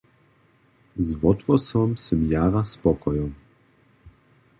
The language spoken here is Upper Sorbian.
Z wothłosom sym jara spokojom.